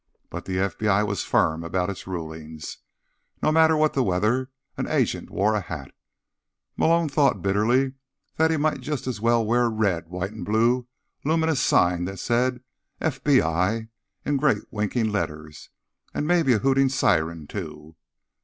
But the FBI was firm about its rulings. No matter what the weather, an agent wore a hat. Malone thought bitterly that he might just as well wear a red, white and blue luminous sign that said FBI in great winking letters, and maybe a hooting siren too.